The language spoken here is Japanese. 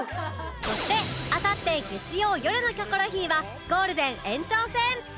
そしてあさって月曜よるの『キョコロヒー』はゴールデン延長戦